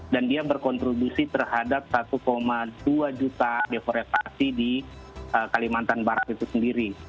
dan dia berkontribusi terhadap satu dua juta deforestasi di kalimantan barat itu sendiri